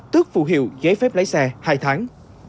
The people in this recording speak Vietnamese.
tức phụ hiệu giấy phép lái xe hai tháng